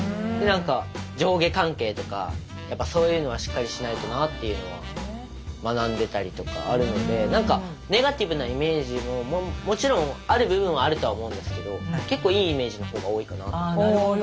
上下関係とかやっぱそういうのはしっかりしないとなっていうのは学んでたりとかあるので何かネガティブなイメージももちろんある部分はあるとは思うんですけど結構いいイメージの方が多いかなと思います。